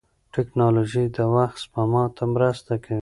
ټکنالوژي د وخت سپما ته مرسته کوي.